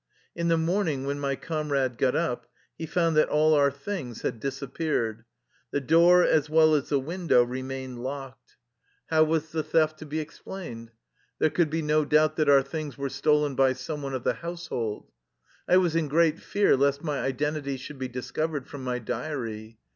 In the morning when my comrade got up he found that all our things had disappeared. The door as well as the window remained locked. 243 THE LIFE STOEY OF A KUSSIAN EXILE How was the theft to be explained? There could be no doubt that our things were stolen by some one of the household. I was in great fear lest my identity should be discovered from my diary.